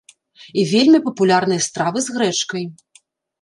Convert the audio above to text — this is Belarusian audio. І вельмі папулярныя стравы з грэчкай.